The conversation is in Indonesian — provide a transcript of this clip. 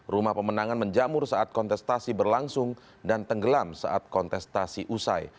rumah pemenangan menjamur saat kontestasi berlangsung dan tenggelam saat kontestasi usai